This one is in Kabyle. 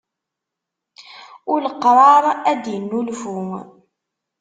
Uleqṛaṛ ad d-innulfu.